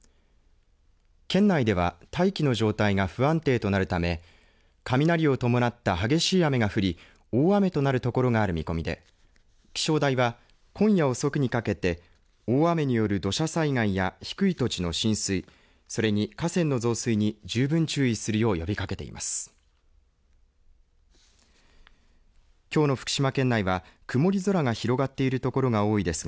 県内では、大気の状態が不安定となるため雷を伴った激しい雨が降り大雨となる所がある見込みで気象台は、今夜遅くにかけて大雨による土砂災害や低い土地の浸水それに河川の増水に十分注意するよう呼びかけています。